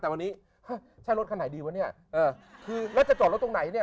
แต่วันนี้ใช่รถข้างไรดีวะเนี่ยและจะจอดรถตรงไหนเนี่ย